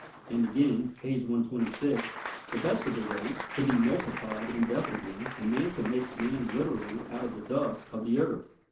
And again (page 126), "The best of the race could be multiplied indefinitely and man could make man literally out of the dust of the earth."